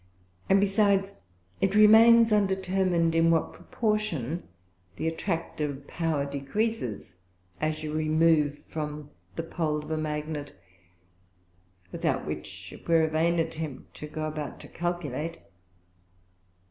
And besides, it remains undetermin'd in what proportion the attractive Power decreases, as you remove from the Pole of a Magnet, without which it were a vain attempt to go about to calculate.